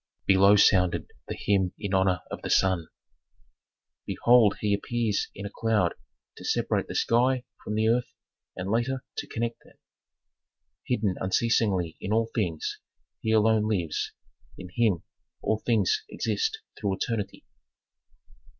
Below sounded the hymn in honor of the sun: "Behold he appears in a cloud to separate the sky from the earth, and later to connect them. "Hidden unceasingly in all things, he alone lives, in him all things exist through eternity."